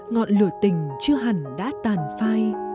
ngọn lửa tình chưa hẳn đã tàn phá